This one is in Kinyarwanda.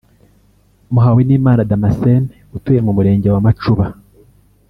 Muhawenimana Damascène utuye mu Murenge wa Macuba